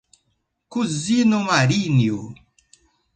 Kuzino Marinjo!